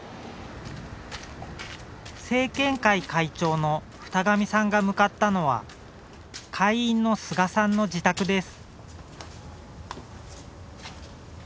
生健会会長の二神さんが向かったのは会員の菅さんの自宅です。